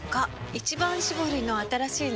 「一番搾り」の新しいの？